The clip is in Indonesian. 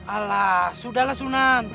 alah sudah lah sunan